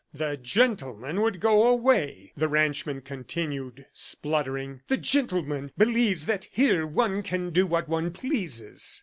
"The gentleman would go away," the ranchman continued spluttering. "The gentleman believes that here one can do what one pleases!